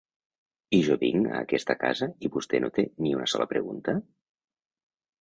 I jo vinc a aquesta casa i vostè no té ni una sola pregunta?